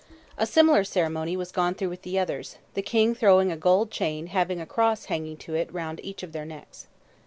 A similar ceremony was gone through with the others, the King throwing a gold chain having a cross hanging to it round each of their necks.